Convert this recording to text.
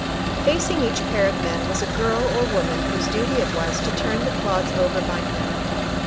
Facing each pair of men was a girl or woman whose duty it was to turn the clods over by hand.